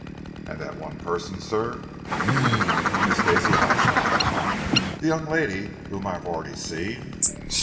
"And that one person, sir?" "Miss Daisy Hyslop." "The young lady whom I have already seen?"